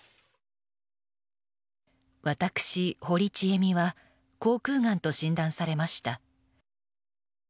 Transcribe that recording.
私、堀ちえみは口腔がんだと診断されました。